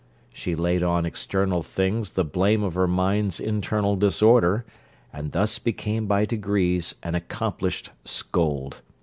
She laid on external things the blame of her mind's internal disorder, and thus became by degrees an accomplished scold.